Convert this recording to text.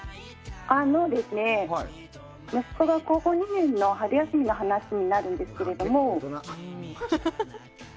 息子が高校２年の時の春休みの話になるんですけど。